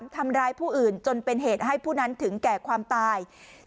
ทำร้ายผู้อื่นจนเป็นเหตุให้ผู้นั้นถึงแก่ความตาย